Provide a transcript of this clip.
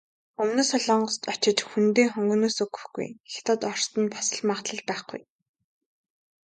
Өмнөд Солонгост очиж хүндээ хөнгөнөөс өгөхгүй, Хятад, Орост нь бас л магадлал байхгүй.